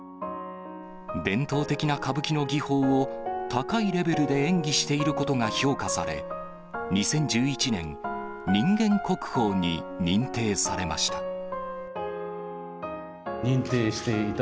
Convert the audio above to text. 伝統的な歌舞伎の技法を高いレベルで演技していることが評価され、２０１１年、人間国宝に認定されました。